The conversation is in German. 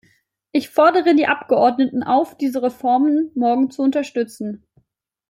Ich fordere die Abgeordneten auf, diese Reformen morgen zu unterstützen.